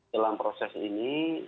dalam proses ini